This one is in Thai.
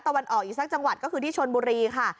วันออกอีกสักจังหวัดก็คือที่ชนบุรีค่ะ